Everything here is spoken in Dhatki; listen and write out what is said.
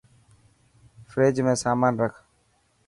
فريج ۾ سامان رک